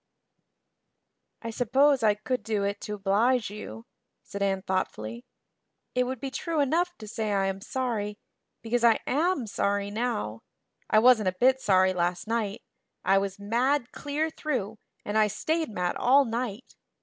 "I suppose I could do it to oblige you," said Anne thoughtfully. "It would be true enough to say I am sorry, because I am sorry now. I wasn't a bit sorry last night. I was mad clear through, and I stayed mad all night.